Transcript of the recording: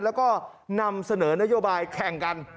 แล้วก็นำเสนอนโยบายแข่งกัน